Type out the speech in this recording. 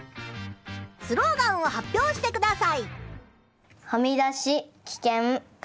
スローガンを発表してください。